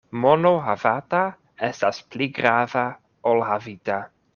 Mono havata estas pli grava ol havita.